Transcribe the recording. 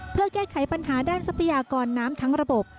เพื่อแก้ไขปัญหาด้านทรัพยากรน้ำทั้งระบบ